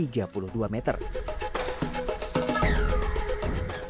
inti es tersebut kemudian dikumpulkan ke puncak jaya